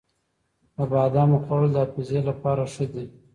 د بادامو خوړل د حافظې لپاره ښه دي.